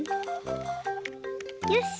よし！